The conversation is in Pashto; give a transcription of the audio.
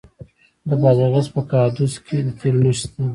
د بادغیس په قادس کې د تیلو نښې شته.